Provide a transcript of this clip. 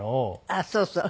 あっそうそう。